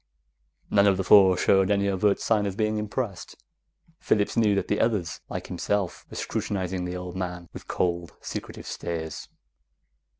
None of the four showed any overt sign of being impressed. Phillips knew that the others, like himself, were scrutinizing the old man with cold, secretive stares.